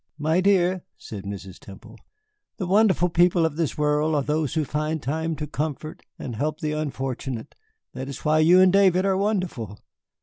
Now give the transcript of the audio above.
"My dear," said Mrs. Temple, "the wonderful people of this world are those who find time to comfort and help the unfortunate. That is why you and David are wonderful.